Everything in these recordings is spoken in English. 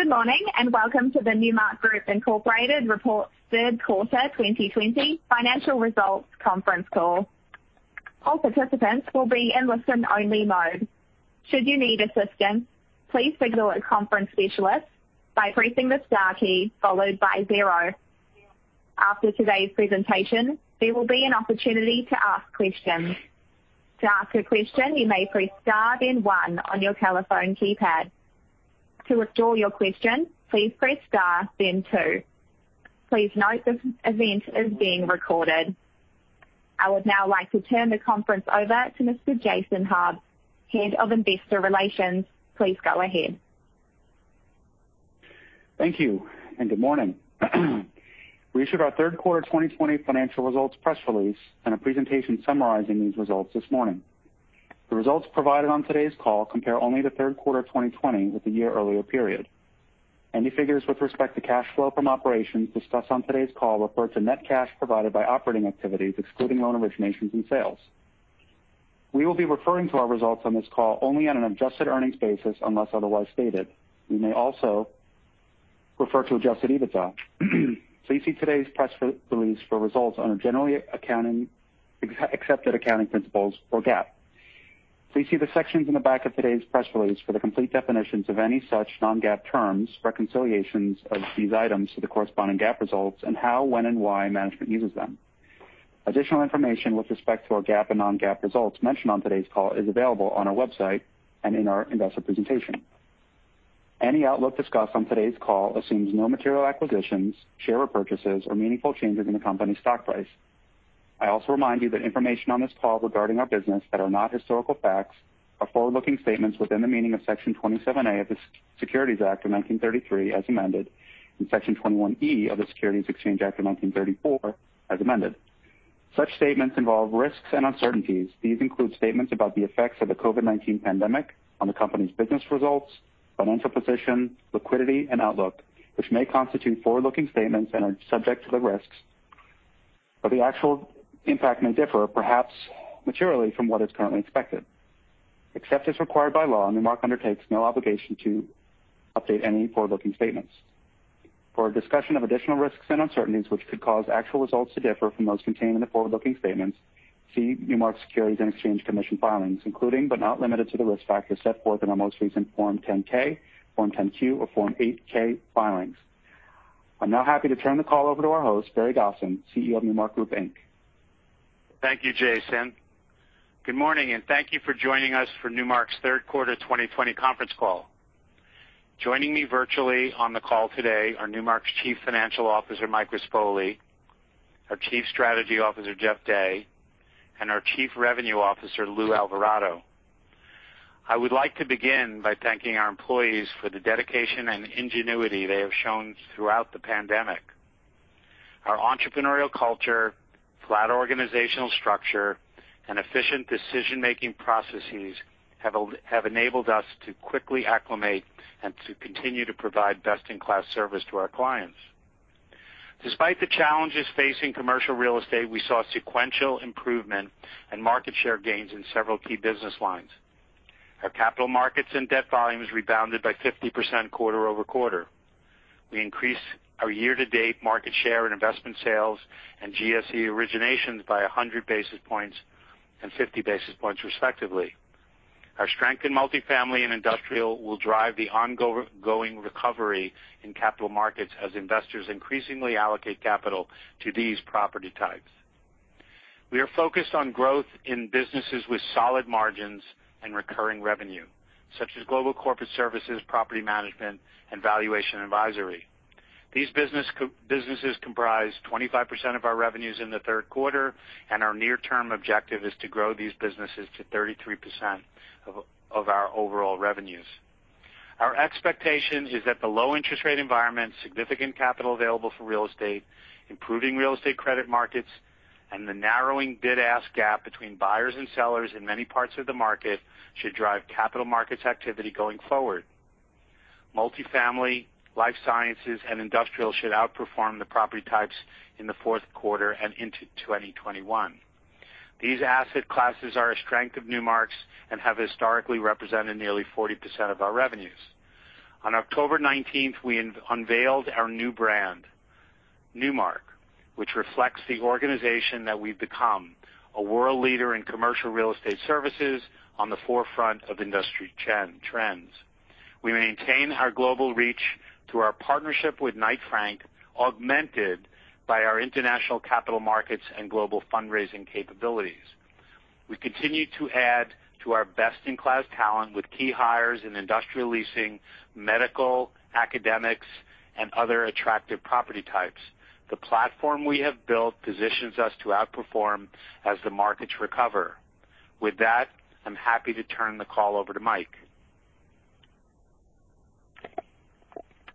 Good morning, and welcome to the Newmark Group, Inc. Report Third Quarter 2020 Financial Results Conference Call. I would now like to turn the conference over to Mr. Jason McGruder, Head of Investor Relations. Please go ahead. Thank you, and good morning. We issued our third quarter 2020 financial results press release and a presentation summarizing these results this morning. The results provided on today's call compare only the third quarter of 2020 with the year-earlier period. Any figures with respect to cash flow from operations discussed on today's call refer to net cash provided by operating activities, excluding loan originations and sales. We will be referring to our results on this call only on an adjusted earnings basis unless otherwise stated. We may also refer to adjusted EBITDA. Please see today's press release for results on a generally accepted accounting principles or GAAP. Please see the sections in the back of today's press release for the complete definitions of any such non-GAAP terms, reconciliations of these items to the corresponding GAAP results, and how, when, and why management uses them. Additional information with respect to our GAAP and non-GAAP results mentioned on today's call is available on our website and in our investor presentation. Any outlook discussed on today's call assumes no material acquisitions, share repurchases, or meaningful changes in the company's stock price. I also remind you that information on this call regarding our business that are not historical facts are forward-looking statements within the meaning of Section 27A of the Securities Act of 1933 as amended, and Section 21E of the Securities Exchange Act of 1934 as amended. Such statements involve risks and uncertainties. These include statements about the effects of the COVID-19 pandemic on the company's business results, financial position, liquidity, and outlook, which may constitute forward-looking statements and are subject to the risks, but the actual impact may differ, perhaps materially from what is currently expected. Except as required by law, Newmark undertakes no obligation to update any forward-looking statements. For a discussion of additional risks and uncertainties which could cause actual results to differ from those contained in the forward-looking statements, see Newmark Securities and Exchange Commission filings, including but not limited to the risk factors set forth in our most recent Form 10-K, Form 10-Q or Form 8-K filings. I'm now happy to turn the call over to our host, Barry Gosin, CEO of Newmark Group Inc. Thank you, Jason. Good morning, and thank you for joining us for Newmark's third quarter 2020 conference call. Joining me virtually on the call today are Newmark's Chief Financial Officer, Mike Rispoli, our Chief Strategy Officer, Jeff Day, and our Chief Revenue Officer, Luis Alvarado. I would like to begin by thanking our employees for the dedication and ingenuity they have shown throughout the pandemic. Our entrepreneurial culture, flat organizational structure, and efficient decision-making processes have enabled us to quickly acclimate and to continue to provide best-in-class service to our clients. Despite the challenges facing commercial real estate, we saw sequential improvement and market share gains in several key business lines. Our Capital Markets and debt volumes rebounded by 50% quarter-over-quarter. We increased our year-to-date market share in investment sales and GSE originations by 100 basis points and 50 basis points, respectively. Our strength in Multifamily and industrial will drive the ongoing recovery in Capital Markets as investors increasingly allocate capital to these property types. We are focused on growth in businesses with solid margins and recurring revenue, such as Global Corporate Services, Property Management, and Valuation & Advisory. These businesses comprise 25% of our revenues in the third quarter, and our near-term objective is to grow these businesses to 33% of our overall revenues. Our expectation is that the low interest rate environment, significant capital available for real estate, improving real estate credit markets, and the narrowing bid-ask gap between buyers and sellers in many parts of the market should drive Capital Markets activity going forward. Multifamily, life sciences, and industrial should outperform the property types in the fourth quarter and into 2021. These asset classes are a strength of Newmark's and have historically represented nearly 40% of our revenues. On October 19th, we unveiled our new brand, Newmark, which reflects the organization that we've become, a world leader in commercial real estate services on the forefront of industry trends. We maintain our global reach through our partnership with Knight Frank, augmented by our international Capital Markets and global fundraising capabilities. We continue to add to our best-in-class talent with key hires in industrial leasing, medical, academics, and other attractive property types. The platform we have built positions us to outperform as the markets recover. With that, I'm happy to turn the call over to Mike.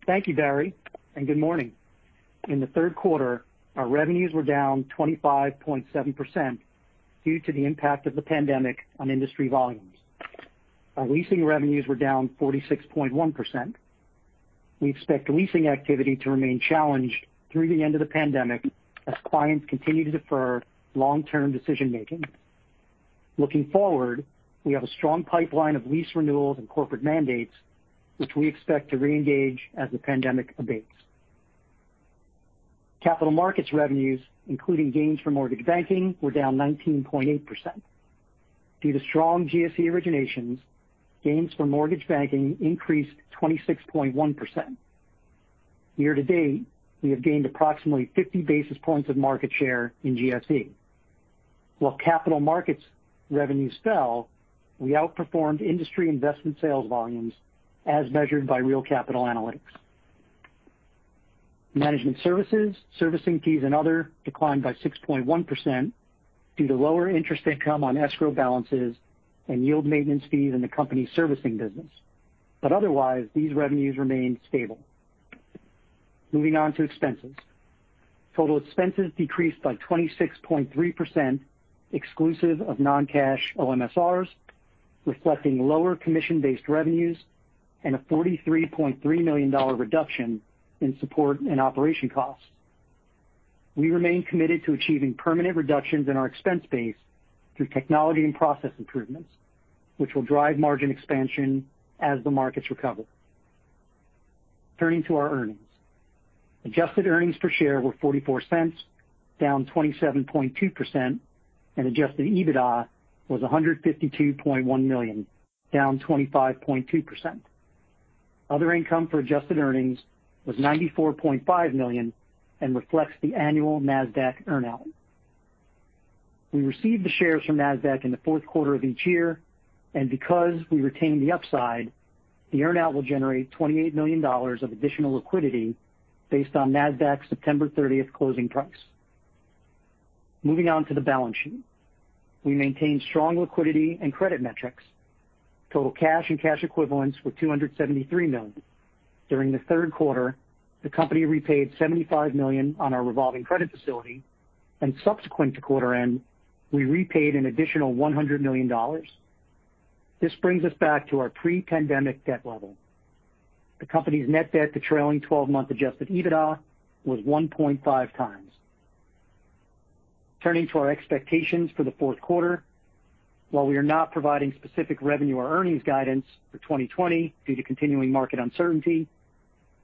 Thank you, Barry. Good morning. In the third quarter, our revenues were down 25.7% due to the impact of the pandemic on industry volumes. Our leasing revenues were down 46.1%. We expect leasing activity to remain challenged through the end of the pandemic as clients continue to defer long-term decision-making. Looking forward, we have a strong pipeline of lease renewals and corporate mandates, which we expect to reengage as the pandemic abates. Capital Markets revenues, including gains from mortgage banking, were down 19.8%. Due to strong GSE originations, gains from mortgage banking increased 26.1%. Year-to-date, we have gained approximately 50 basis points of market share in GSE. While Capital Markets revenues fell, we outperformed industry investment sales volumes as measured by Real Capital Analytics. Management services, servicing fees and other declined by 6.1% due to lower interest income on escrow balances and yield maintenance fees in the company servicing business. Otherwise, these revenues remained stable. Moving on to expenses. Total expenses decreased by 26.3%, exclusive of non-cash OMSRs, reflecting lower commission-based revenues and a $43.3 million reduction in support and operation costs. We remain committed to achieving permanent reductions in our expense base through technology and process improvements, which will drive margin expansion as the markets recover. Turning to our earnings. Adjusted earnings per share were $0.44, down 27.2%, and adjusted EBITDA was $152.1 million, down 25.2%. Other income for adjusted earnings was $94.5 million and reflects the annual Nasdaq earn-out. We received the shares from Nasdaq in the fourth quarter of each year, and because we retain the upside, the earn-out will generate $28 million of additional liquidity based on Nasdaq's September 30th closing price. Moving on to the balance sheet. We maintained strong liquidity and credit metrics. Total cash and cash equivalents were $273 million. During the third quarter, the company repaid $75 million on our revolving credit facility, and subsequent to quarter end, we repaid an additional $100 million. This brings us back to our pre-pandemic debt level. The company's net debt to trailing 12-month adjusted EBITDA was 1.5x. Turning to our expectations for the fourth quarter. While we are not providing specific revenue or earnings guidance for 2020 due to continuing market uncertainty,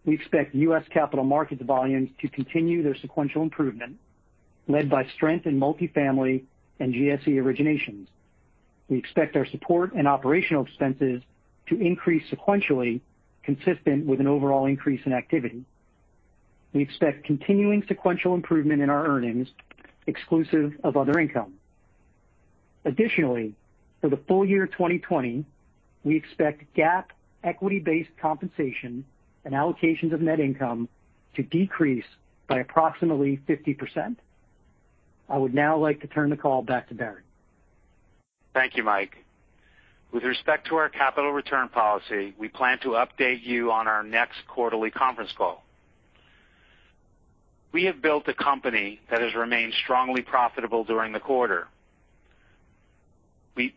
we expect U.S. Capital Markets volumes to continue their sequential improvement, led by strength in Multifamily and GSE originations. We expect our support and operational expenses to increase sequentially consistent with an overall increase in activity. We expect continuing sequential improvement in our earnings, exclusive of other income. Additionally, for the full year 2020, we expect GAAP equity-based compensation and allocations of net income to decrease by approximately 50%. I would now like to turn the call back to Barry. Thank you, Mike. With respect to our capital return policy, we plan to update you on our next quarterly conference call. We have built a company that has remained strongly profitable during the quarter.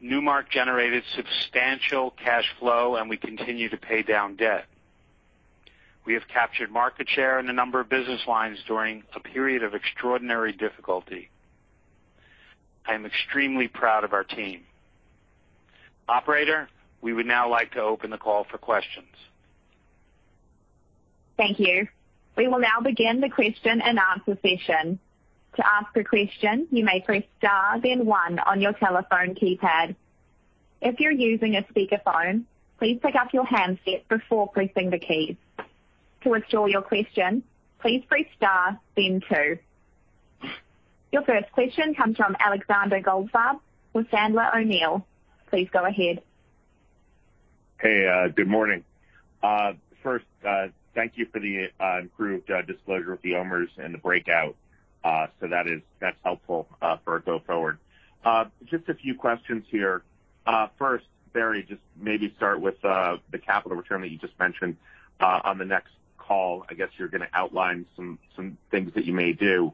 Newmark generated substantial cash flow, and we continue to pay down debt. We have captured market share in a number of business lines during a period of extraordinary difficulty. I am extremely proud of our team. Operator, we would now like to open the call for questions. Thank you. We will now begin the question and answer session. Your first question comes from Alex Goldfarb with Piper Sandler. Please go ahead. Hey, good morning. First, thank you for the improved disclosure of the OMSRs and the breakout. That's helpful for a go forward. Just a few questions here. First, Barry, just maybe start with the capital return that you just mentioned. On the next call, I guess you're going to outline some things that you may do.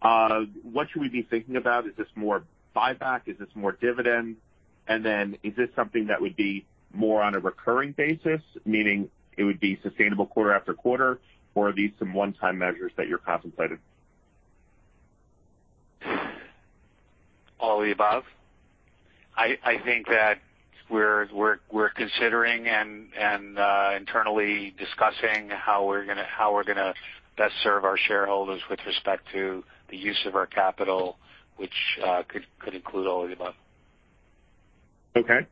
What should we be thinking about? Is this more buyback? Is this more dividend? Is this something that would be more on a recurring basis, meaning it would be sustainable quarter after quarter, or are these some one-time measures that you're contemplating? All the above. I think that we're considering and internally discussing how we're going to best serve our shareholders with respect to the use of our capital, which could include all of the above. Okay.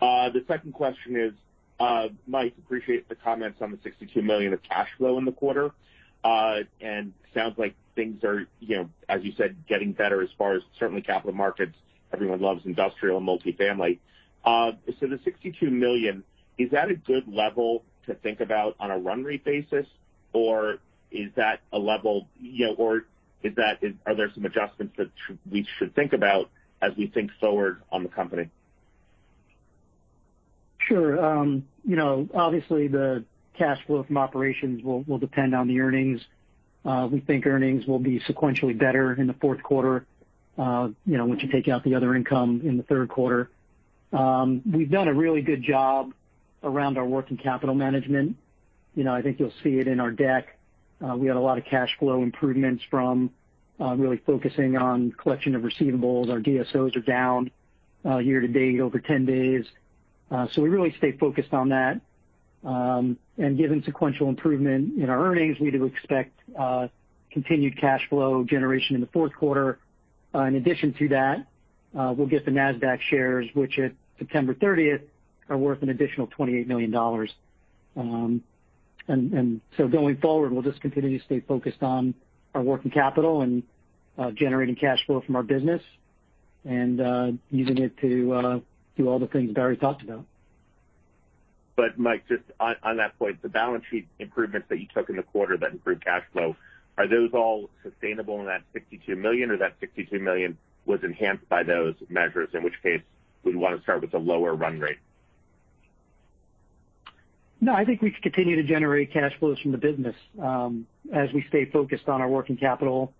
The second question is, Mike, appreciate the comments on the $62 million of cash flow in the quarter. Sounds like things are, as you said, getting better as far as certainly Capital Markets. Everyone loves industrial and multi-family. The $62 million, is that a good level to think about on a run-rate basis? Are there some adjustments that we should think about as we think forward on the company? Sure. Obviously, the cash flow from operations will depend on the earnings. We think earnings will be sequentially better in the fourth quarter once you take out the other income in the third quarter. We've done a really good job around our working capital management. I think you'll see it in our deck. We had a lot of cash flow improvements from really focusing on collection of receivables. Our DSOs are down year to date over 10 days. We really stay focused on that. Given sequential improvement in our earnings, we do expect continued cash flow generation in the fourth quarter. In addition to that, we'll get the Nasdaq shares, which at September 30th, are worth an additional $28 million. Going forward, we'll just continue to stay focused on our working capital and generating cash flow from our business and using it to do all the things Barry talked about. Mike, just on that point, the balance sheet improvements that you took in the quarter that improved cash flow, are those all sustainable in that $62 million or that $62 million was enhanced by those measures, in which case we'd want to start with a lower run rate? No, I think we can continue to generate cash flows from the business. As we stay focused on our working capital,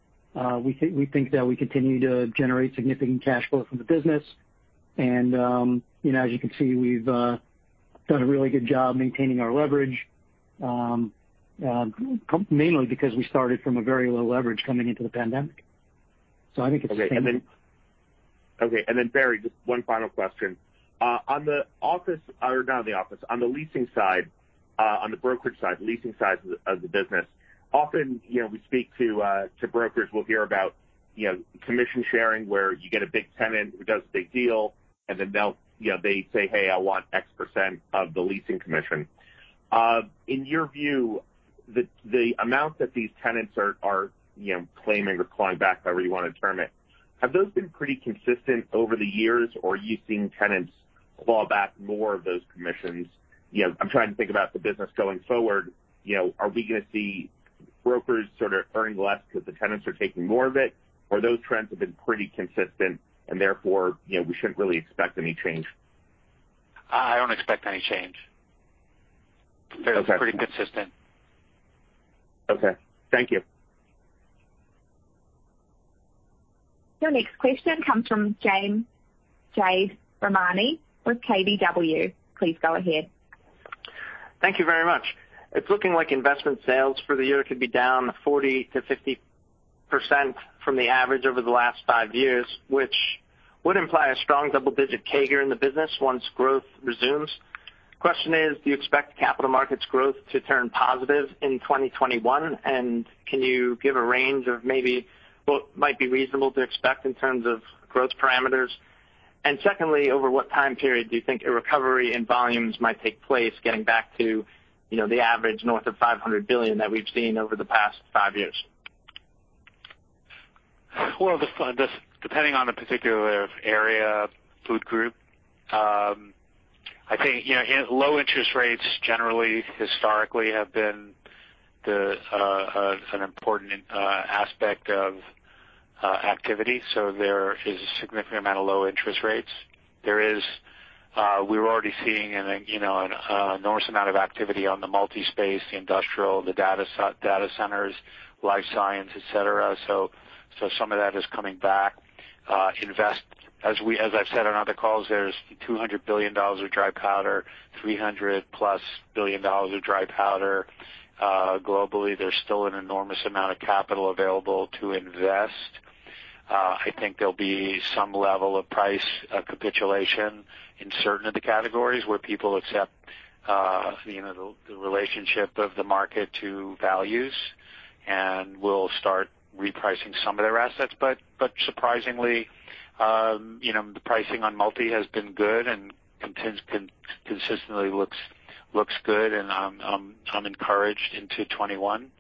we think that we continue to generate significant cash flow from the business. As you can see, we've done a really good job maintaining our leverage, mainly because we started from a very low leverage coming into the pandemic. I think it's sustainable. Okay. Then, Barry, just one final question. On the leasing side, on the brokerage side, the leasing side of the business, often we speak to brokers, we'll hear about commission sharing, where you get a big tenant who does a big deal, and then they say, "Hey, I want X percent of the leasing commission." In your view, the amount that these tenants are claiming or clawing back, however you want to term it, have those been pretty consistent over the years or are you seeing tenants claw back more of those commissions? I'm trying to think about the business going forward. Are we going to see brokers sort of earning less because the tenants are taking more of it or those trends have been pretty consistent, and therefore we shouldn't really expect any change? I don't expect any change. Okay. They're pretty consistent. Okay. Thank you. Your next question comes from Jade Rahmani with KBW. Please go ahead. Thank you very much. It's looking like investment sales for the year could be down 40%-50% from the average over the last five years, which would imply a strong double-digit CAGR in the business once growth resumes. Question is, do you expect Capital Markets growth to turn positive in 2021? Can you give a range of maybe what might be reasonable to expect in terms of growth parameters? Secondly, over what time period do you think a recovery in volumes might take place, getting back to the average north of $500 billion that we've seen over the past five years? Well, depending on the particular area, food group. I think low interest rates generally, historically have been an important aspect of activity. There is a significant amount of low interest rates. We're already seeing an enormous amount of activity on the multi-space, the industrial, the data centers, life science, et cetera. Some of that is coming back. As I've said on other calls, there's $200 billion of dry powder, $300-plus billion of dry powder globally. There's still an enormous amount of capital available to invest. I think there'll be some level of price capitulation in certain of the categories where people accept the relationship of the market to values, and we'll start repricing some of their assets. Surprisingly the pricing on multi has been good and consistently looks good, and I'm encouraged into 2021.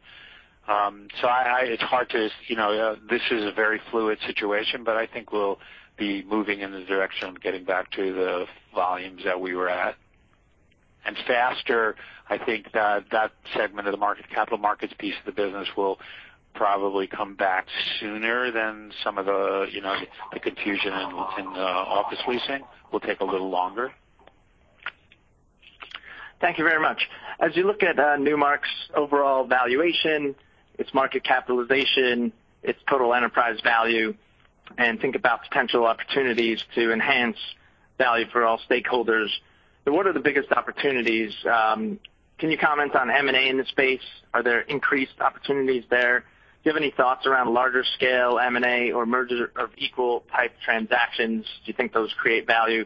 This is a very fluid situation, but I think we'll be moving in the direction of getting back to the volumes that we were at. Faster, I think that segment of the Capital Markets piece of the business will probably come back sooner than some of the confusion in office leasing, will take a little longer. Thank you very much. As you look at Newmark's overall valuation, its market capitalization, its total enterprise value, and think about potential opportunities to enhance value for all stakeholders, what are the biggest opportunities? Can you comment on M&A in the space? Are there increased opportunities there? Do you have any thoughts around larger scale M&A or mergers of equal type transactions? Do you think those create value?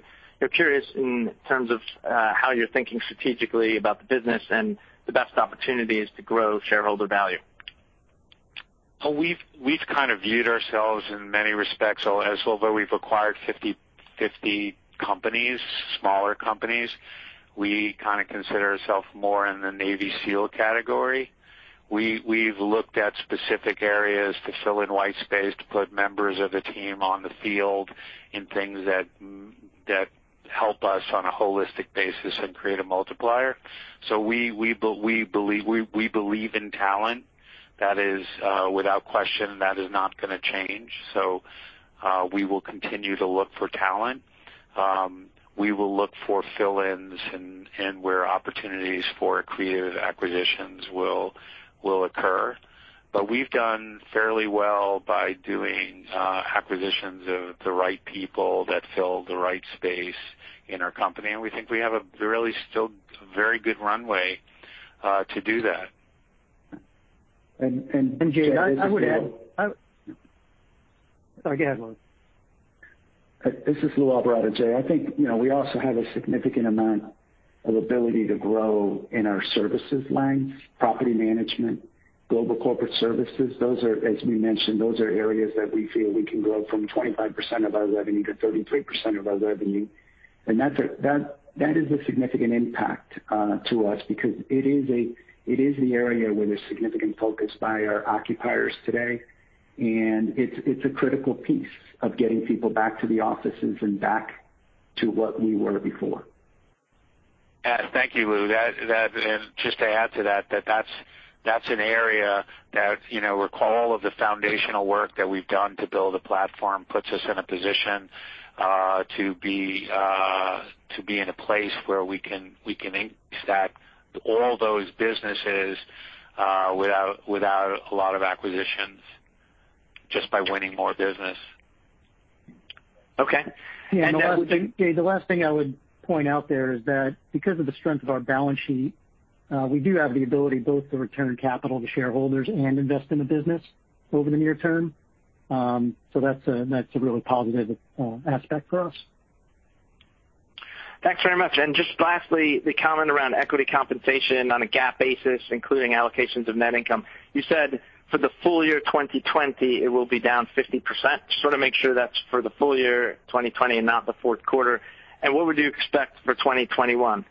Curious in terms of how you're thinking strategically about the business and the best opportunities to grow shareholder value. We've kind of viewed ourselves in many respects, although we've acquired 50 companies, smaller companies, we kind of consider ourself more in the Navy SEALs category. We've looked at specific areas to fill in white space, to put members of the team on the field in things that help us on a holistic basis and create a multiplier. We believe in talent. That is without question. That is not going to change. We will continue to look for talent. We will look for fill-ins and where opportunities for creative acquisitions will occur. We've done fairly well by doing acquisitions of the right people that fill the right space in our company, and we think we have a really still very good runway to do that. Jade, I would add. Jade, this is Lou. Sorry, go ahead, Lou. This is Luis Alvarado, Jade. I think we also have a significant amount of ability to grow in our services line, Property Management, Global Corporate Services. As we mentioned, those are areas that we feel we can grow from 25% of our revenue to 33% of our revenue. That is a significant impact to us because it is the area where there's significant focus by our occupiers today, and it's a critical piece of getting people back to the offices and back to what we were before. Thank you, Luis. Just to add to that's an area that all of the foundational work that we've done to build a platform puts us in a position to be in a place where we can increase that, all those businesses without a lot of acquisitions, just by winning more business. Okay. The last thing, Jade, the last thing I would point out there is that because of the strength of our balance sheet, we do have the ability both to return capital to shareholders and invest in the business over the near term. That's a really positive aspect for us. Thanks very much. Just lastly, the comment around equity compensation on a GAAP basis, including allocations of net income. You said for the full year 2020, it will be down 50%. Just want to make sure that's for the full year 2020 and not the fourth quarter. What would you expect for 2021?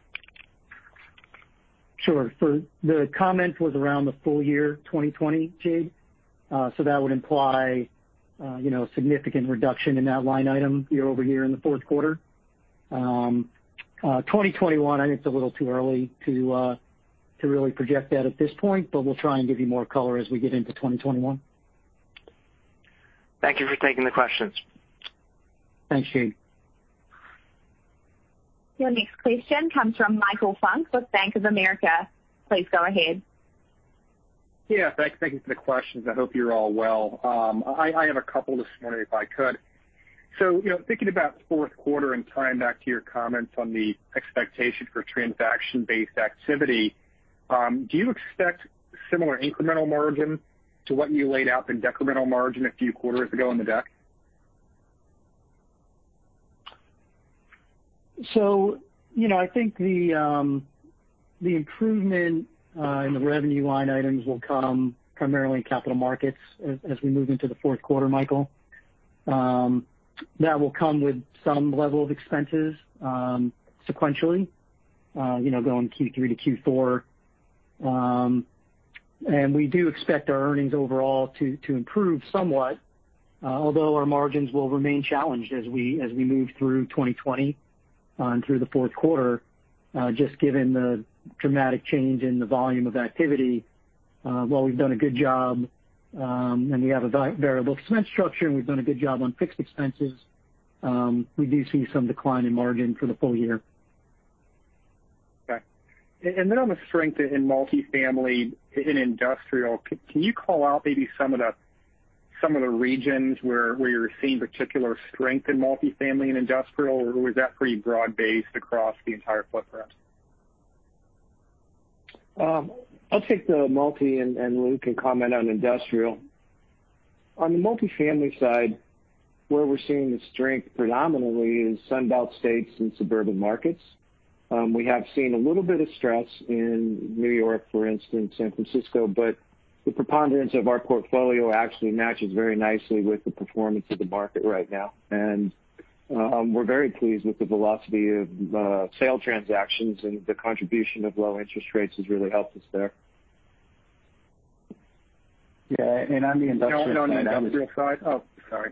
Sure. The comment was around the full year 2020, Jade. That would imply a significant reduction in that line item year-over-year in the fourth quarter. 2021, I think it's a little too early to really project that at this point, we'll try and give you more color as we get into 2021. Thank you for taking the questions. Thanks, Jade. Your next question comes from Michael Funk with Bank of America. Please go ahead. Yeah. Thank you for the questions. I hope you're all well. I have a couple this morning, if I could. Thinking about fourth quarter and tying back to your comments on the expectation for transaction-based activity, do you expect similar incremental margin to what you laid out in decremental margin a few quarters ago on the deck? I think the improvement in the revenue line items will come primarily in Capital Markets as we move into the fourth quarter, Michael. That will come with some level of expenses sequentially, going Q3 to Q4. We do expect our earnings overall to improve somewhat. Although our margins will remain challenged as we move through 2020 and through the fourth quarter, just given the dramatic change in the volume of activity. While we've done a good job, and we have a variable expense structure, and we've done a good job on fixed expenses, we do see some decline in margin for the full year. Okay. On the strength in multifamily and industrial, can you call out maybe some of the regions where you're seeing particular strength in multifamily and industrial, or was that pretty broad-based across the entire footprint? I'll take the multi, and Lou can comment on industrial. On the multifamily side, where we're seeing the strength predominantly is Sun Belt states and suburban markets. We have seen a little bit of stress in New York, for instance, San Francisco, but the preponderance of our portfolio actually matches very nicely with the performance of the market right now. We're very pleased with the velocity of sale transactions, and the contribution of low interest rates has really helped us there. Yeah, on the industrial side. No, on the industrial side. Oh, sorry.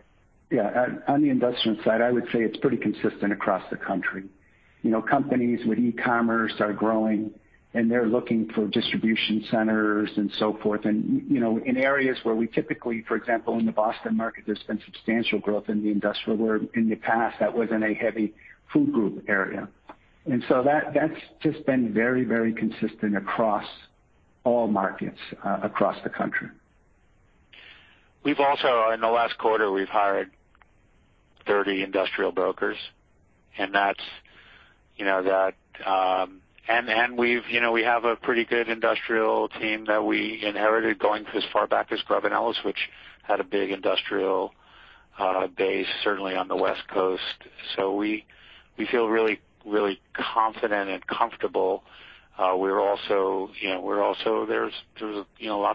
Yeah. On the investment side, I would say it's pretty consistent across the country. Companies with e-commerce are growing, and they're looking for distribution centers and so forth. In areas where we typically, for example, in the Boston market, there's been substantial growth in the industrial world. In the past, that was in a heavy food group area. That's just been very consistent across all markets across the country. In the last quarter, we've hired 30 industrial brokers. We have a pretty good industrial team that we inherited going as far back as Grubb & Ellis, which had a big industrial base, certainly on the West Coast. We feel really confident and comfortable. Lots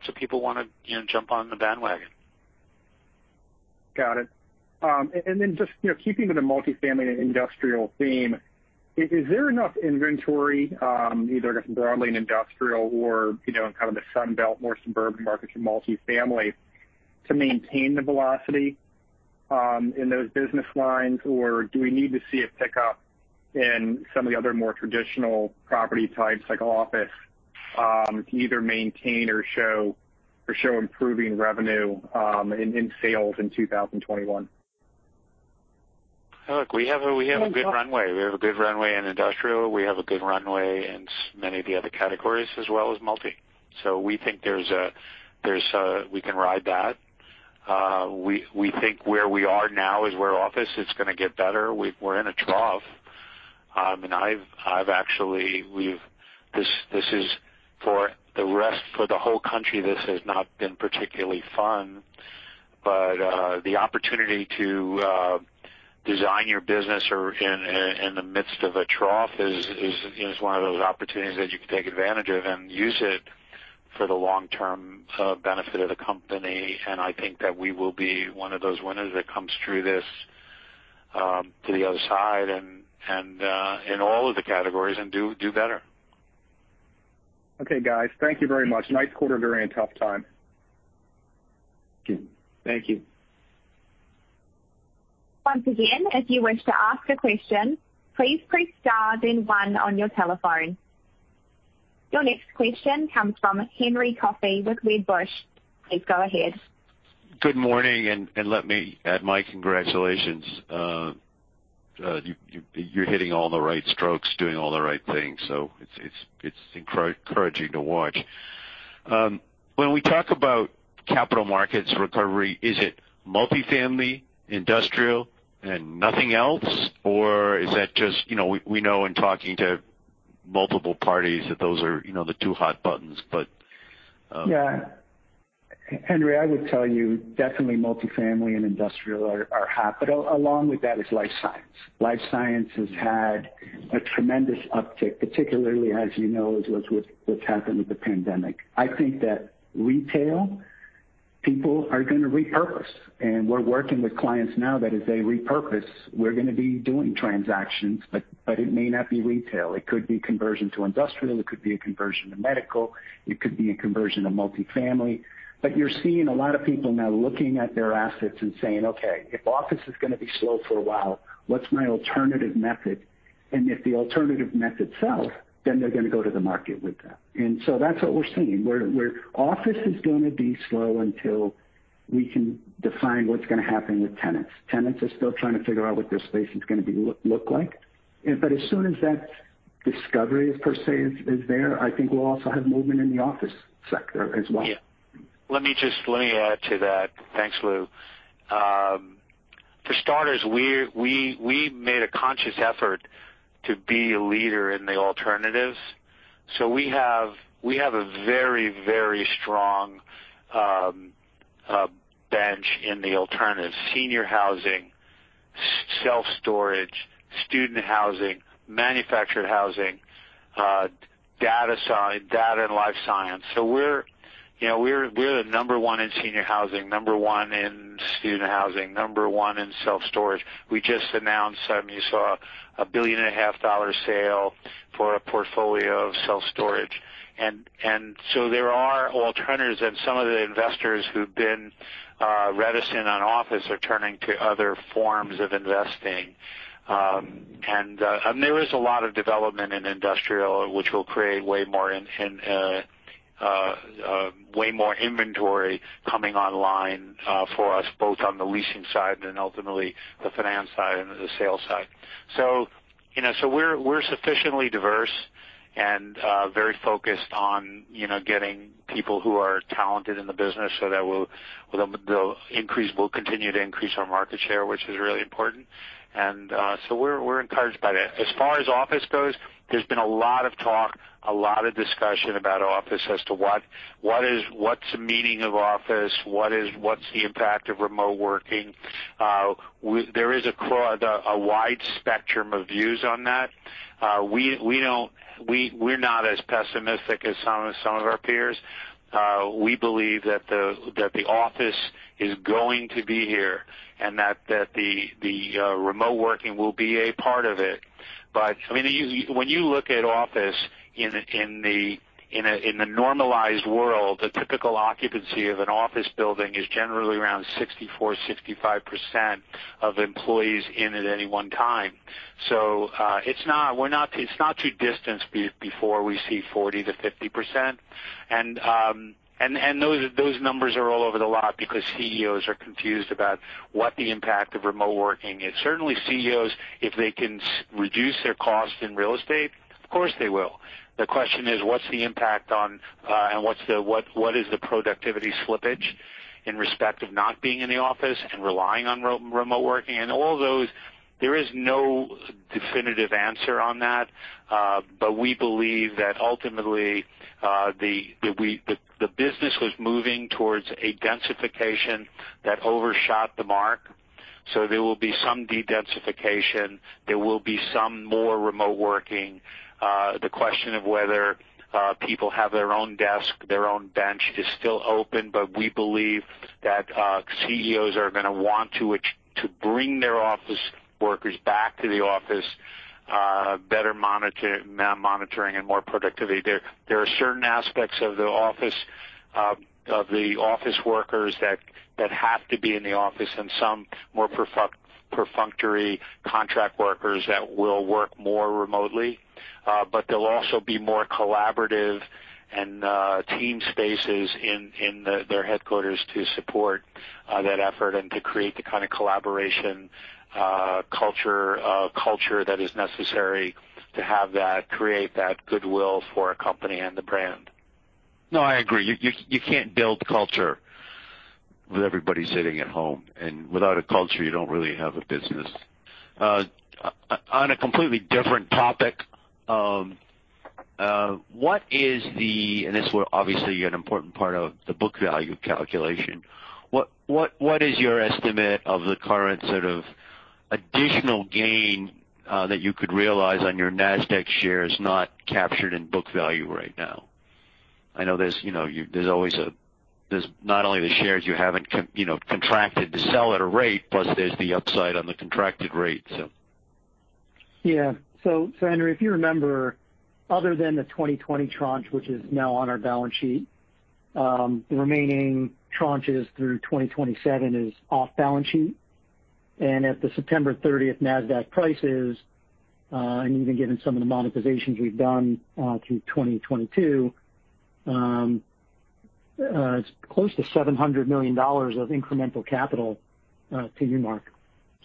of people want to jump on the bandwagon. Got it. Just keeping with the Multifamily and industrial theme, is there enough inventory, either just broadly in industrial or in kind of the Sun Belt, more suburban markets or Multifamily, to maintain the velocity in those business lines, or do we need to see a pickup in some of the other more traditional property types like office to either maintain or show improving revenue in sales in 2021? Look, we have a good runway. We have a good runway in industrial. We have a good runway in many of the other categories as well as multi. We think we can ride that. We think where we are now is where office is going to get better. We're in a trough. For the whole country, this has not been particularly fun, but the opportunity to design your business or in the midst of a trough is one of those opportunities that you can take advantage of and use it for the long-term benefit of the company. I think that we will be one of those winners that comes through this to the other side and in all of the categories and do better. Okay, guys. Thank you very much. Nice quarter during a tough time. Thank you. Your next question comes from Henry Coffey with Wedbush. Please go ahead. Good morning. Let me add my congratulations. You're hitting all the right strokes, doing all the right things, so it's encouraging to watch. When we talk about Capital Markets recovery, is it multifamily, industrial, and nothing else? Is that just we know in talking to multiple parties that those are the two hot buttons? Yeah. Henry, I would tell you definitely multifamily and industrial are hot, but along with that is life science. life science has had a tremendous uptick, particularly as you know, with what's happened with the pandemic. I think that retail people are going to repurpose, and we're working with clients now that as they repurpose, we're going to be doing transactions, but it may not be retail. It could be conversion to industrial. It could be a conversion to medical. It could be a conversion to multifamily. You're seeing a lot of people now looking at their assets and saying, "Okay, if office is going to be slow for a while, what's my alternative method?" If the alternative method sells, then they're going to go to the market with that. That's what we're seeing, where office is going to be slow until we can define what's going to happen with tenants. Tenants are still trying to figure out what their space is going to look like. As soon as that discovery per se is there, I think we'll also have movement in the office sector as well. Yeah. Let me just add to that. Thanks, Lou. For starters, we made a conscious effort to be a leader in the alternatives. We have a very strong bench in the alternatives, senior housing, self-storage, student housing, manufactured housing, data and life science. We're the number 1 in senior housing, number 1 in student housing, number 1 in self-storage. We just announced, you saw a billion-and-a-half-dollar sale for a portfolio of self-storage. There are alternatives, and some of the investors who've been reticent on office are turning to other forms of investing. There is a lot of development in industrial, which will create way more inventory coming online for us, both on the leasing side and ultimately the finance side and the sales side. We're sufficiently diverse and very focused on getting people who are talented in the business so that we'll continue to increase our market share, which is really important. We're encouraged by that. As far as office goes, there's been a lot of talk, a lot of discussion about office as to what's the meaning of office? What's the impact of remote working? There is a wide spectrum of views on that. We're not as pessimistic as some of our peers. We believe that the office is going to be here, and that the remote working will be a part of it. When you look at office in the normalized world, the typical occupancy of an office building is generally around 64%, 65% of employees in at any one time. It's not too distant before we see 40%-50%. Those numbers are all over the lot because CEOs are confused about what the impact of remote working is. Certainly, CEOs, if they can reduce their cost in real estate, of course, they will. The question is, what's the impact on, and what is the productivity slippage in respect of not being in the office and relying on remote working? There is no definitive answer on that. We believe that ultimately, the business was moving towards a densification that overshot the mark. There will be some de-densification. There will be some more remote working. The question of whether people have their own desk, their own bench is still open, but we believe that CEOs are going to want to bring their office workers back to the office, better monitoring and more productivity. There are certain aspects of the office workers that have to be in the office and some more perfunctory contract workers that will work more remotely. There'll also be more collaborative and team spaces in their headquarters to support that effort and to create the kind of collaboration culture that is necessary to have that create that goodwill for a company and the brand. No, I agree. You can't build culture with everybody sitting at home. Without a culture, you don't really have a business. On a completely different topic, this will obviously be an important part of the book value calculation. What is your estimate of the current sort of additional gain that you could realize on your Nasdaq shares not captured in book value right now? I know there's not only the shares you haven't contracted to sell at a rate, plus there's the upside on the contracted rate. Henry, if you remember, other than the 2020 tranche, which is now on our balance sheet, the remaining tranches through 2027 is off balance sheet. At the September 30th Nasdaq prices, and even given some of the monetizations we've done through 2022, it's close to $700 million of incremental capital to Newmark.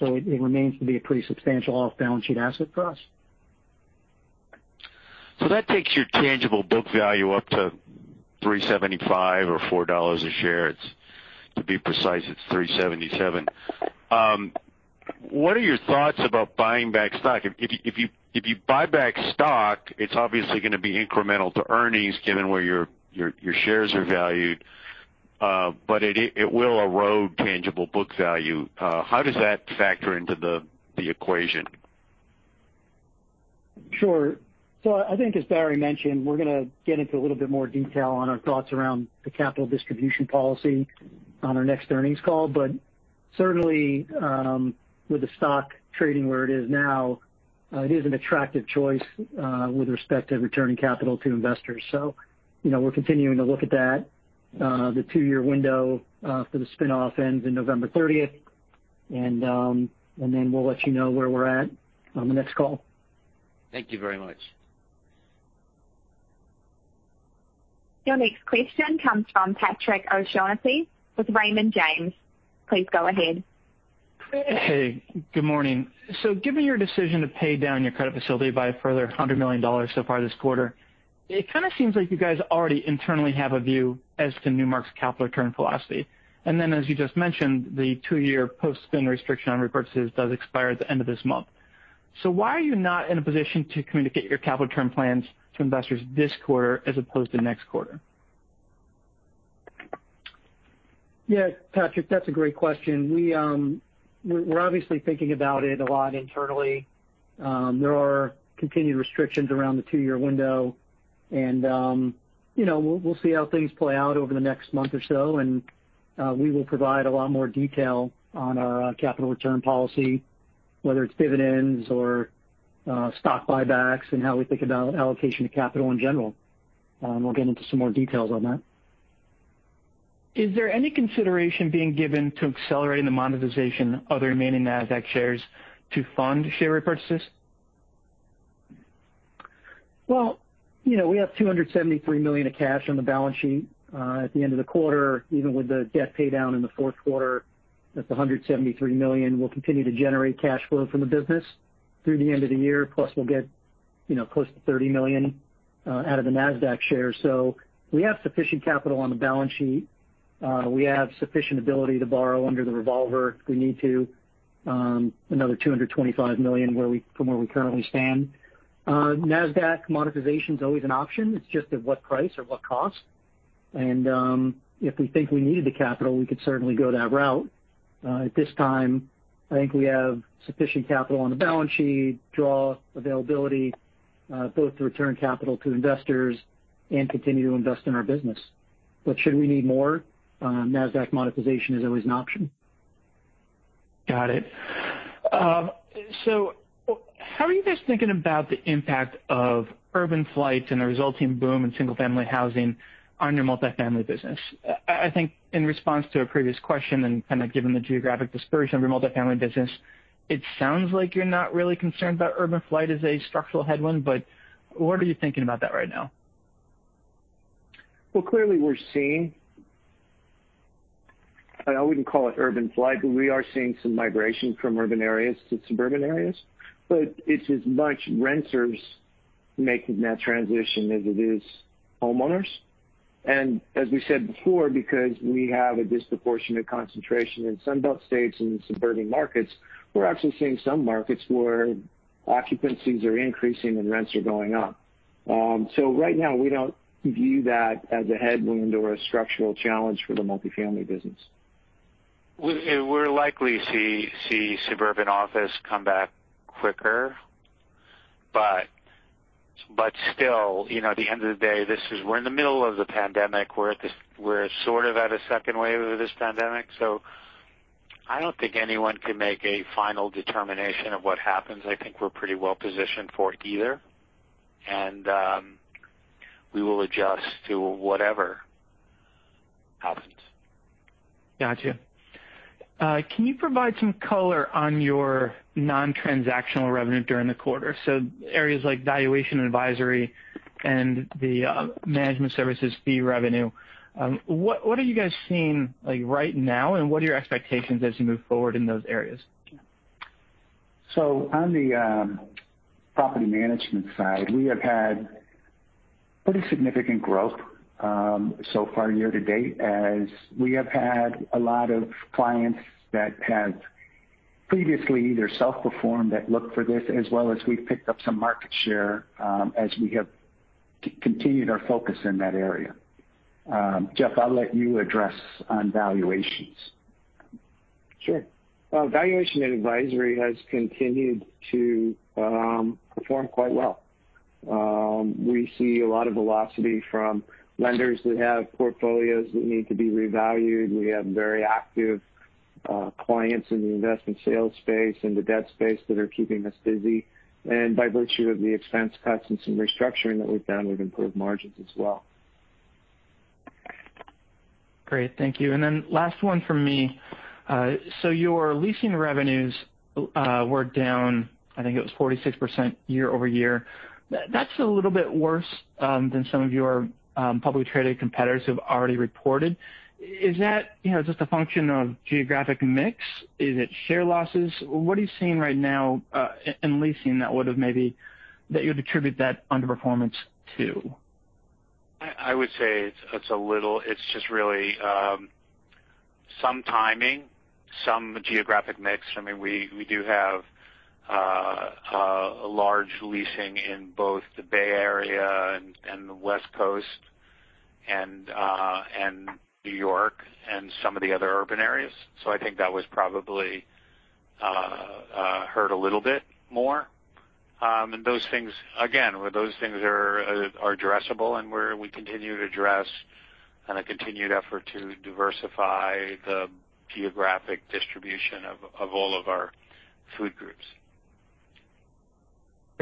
It remains to be a pretty substantial off-balance sheet asset for us. That takes your tangible book value up to $3.75 or $4 a share. To be precise, it's $3.77. What are your thoughts about buying back stock? If you buy back stock, it's obviously going to be incremental to earnings given where your shares are valued. It will erode tangible book value. How does that factor into the equation? Sure. I think as Barry mentioned, we're going to get into a little bit more detail on our thoughts around the capital distribution policy on our next earnings call, but certainly, with the stock trading where it is now, it is an attractive choice with respect to returning capital to investors. We're continuing to look at that. The two-year window for the spin-off ends in November 30th, and then we'll let you know where we're at on the next call. Thank you very much. Your next question comes from Patrick O'Shaughnessy with Raymond James. Please go ahead. Hey, good morning. Given your decision to pay down your credit facility by a further $100 million so far this quarter, it kind of seems like you guys already internally have a view as to Newmark's capital return philosophy. As you just mentioned, the two-year post-spin restriction on repurchases does expire at the end of this month. Why are you not in a position to communicate your capital return plans to investors this quarter as opposed to next quarter? Yeah, Patrick, that's a great question. We're obviously thinking about it a lot internally. There are continued restrictions around the two-year window, and we'll see how things play out over the next month or so, and we will provide a lot more detail on our capital return policy, whether it's dividends or stock buybacks, and how we think about allocation of capital in general. We'll get into some more details on that. Is there any consideration being given to accelerating the monetization of the remaining Nasdaq shares to fund share repurchases? Well, we have $273 million of cash on the balance sheet at the end of the quarter, even with the debt paydown in the fourth quarter. That's $173 million. We'll continue to generate cash flow from the business through the end of the year, plus we'll get close to $30 million out of the Nasdaq shares. We have sufficient capital on the balance sheet. We have sufficient ability to borrow under the revolver if we need to. Another $225 million from where we currently stand. Nasdaq monetization is always an option. It's just at what price or what cost. If we think we need the capital, we could certainly go that route. At this time, I think we have sufficient capital on the balance sheet, draw availability, both to return capital to investors and continue to invest in our business. Should we need more, Nasdaq monetization is always an option. How are you guys thinking about the impact of urban flight and the resulting boom in single-family housing on your multifamily business? I think in response to a previous question and kind of given the geographic dispersion of your multifamily business, it sounds like you're not really concerned that urban flight is a structural headwind, but what are you thinking about that right now? Well, clearly I wouldn't call it urban flight, but we are seeing some migration from urban areas to suburban areas. It's as much renters making that transition as it is homeowners. As we said before, because we have a disproportionate concentration in Sun Belt states and in suburban markets, we're actually seeing some markets where occupancies are increasing and rents are going up. Right now we don't view that as a headwind or a structural challenge for the multifamily business. We're likely to see suburban office come back quicker. Still, at the end of the day, we're in the middle of the pandemic. We're sort of at a second wave of this pandemic. I don't think anyone can make a final determination of what happens. I think we're pretty well positioned for it either. We will adjust to whatever happens. Got you. Can you provide some color on your non-transactional revenue during the quarter, areas like Valuation & Advisory and the management services fee revenue? What are you guys seeing right now, and what are your expectations as you move forward in those areas? On the Property Management side, we have had pretty significant growth so far year-to-date, as we have had a lot of clients that have previously either self-performed that look for this, as well as we've picked up some market share as we have continued our focus in that area. Jeff, I'll let you address on valuations. Sure. Valuation and Advisory has continued to perform quite well. We see a lot of velocity from lenders that have portfolios that need to be revalued. We have very active clients in the investment sales space and the debt space that are keeping us busy. By virtue of the expense cuts and some restructuring that we've done, we've improved margins as well. Great. Thank you. Last one from me. Your leasing revenues were down, I think it was 46% year-over-year. That's a little bit worse than some of your public traded competitors have already reported. Is that just a function of geographic mix? Is it share losses? What are you seeing right now in leasing that you would attribute that underperformance to? I would say it's just really some timing, some geographic mix. We do have a large leasing in both the Bay Area and the West Coast, and New York, and some of the other urban areas. I think that was probably hurt a little bit more. Again, those things are addressable and we continue to address on a continued effort to diversify the geographic distribution of all of our food groups.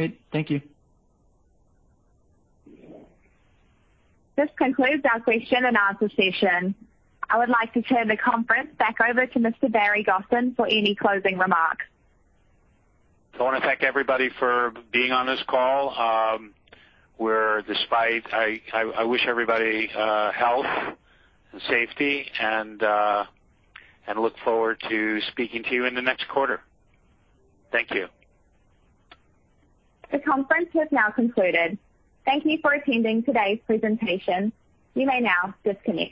Great. Thank you. This concludes our question and answer session. I would like to turn the conference back over to Mr. Barry Gosin for any closing remarks. I want to thank everybody for being on this call. I wish everybody health and safety, and look forward to speaking to you in the next quarter. Thank you. The conference has now concluded. Thank you for attending today's presentation. You may now disconnect.